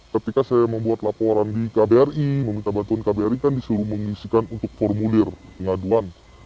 ketika saya membuat laporan di kbri meminta bantuan kbri kan disuruh mengisikan untuk formulir pengaduan